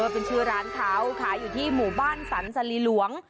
เป็นชื่อร้านเขาขายอยู่ที่หมู่บ้านสรรสลีหลวง